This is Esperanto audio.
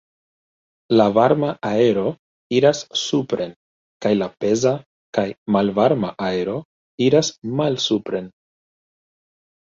La varma aero iras supren kaj la peza kaj malvarma aero iras malsupren.